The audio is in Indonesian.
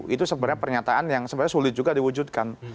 itu sebenarnya pernyataan yang sebenarnya sulit juga diwujudkan